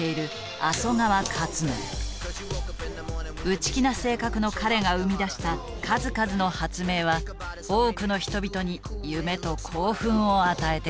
内気な性格の彼が生み出した数々の発明は多くの人々に夢と興奮を与えてきた。